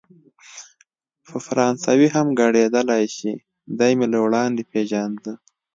په فرانسوي هم ګړیدلای شي، دی مې له وړاندې پېژانده.